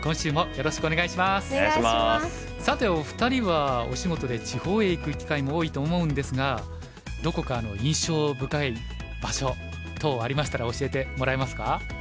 さてお二人はお仕事で地方へ行く機会も多いと思うんですがどこか印象深い場所等ありましたら教えてもらえますか？